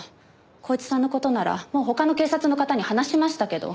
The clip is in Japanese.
光一さんの事ならもう他の警察の方に話しましたけど。